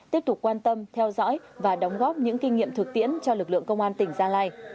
tiếp tục quan tâm theo dõi và đóng góp những kinh nghiệm thực tiễn cho lực lượng công an tỉnh gia lai